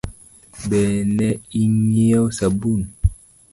Be ne ing'iewo sabun ?